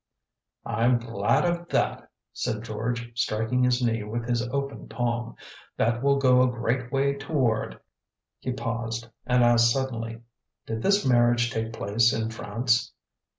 "I'm glad of that!" said George, striking his knee with his open palm. "That will go a great way toward " He paused, and asked suddenly: "Did this marriage take place in France?"